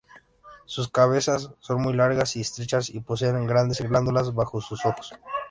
Sus cabezas son muy largas y estrechas, y poseen grandes glándulas bajo sus ojos.